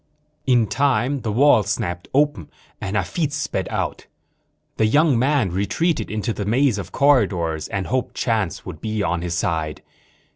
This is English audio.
In time the wall snapped open and Hafitz sped out. The young man retreated into the maze of corridors and hoped chance would be on his side.